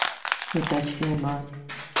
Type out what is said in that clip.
এটা সেটা নয়।